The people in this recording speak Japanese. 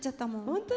本当？